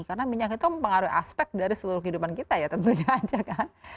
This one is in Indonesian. karena minyak itu mempengaruhi aspek dari seluruh kehidupan kita ya tentunya aja kan